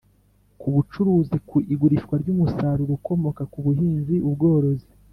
ku bucuruzi, ku igurishwa ry'umusaruro ukomoka ku buhinzi, ubworozi